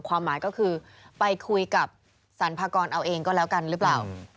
ความหมายก็คือไปคุยกับสรรพากรเอาเองก็แล้วกันหรือเปล่า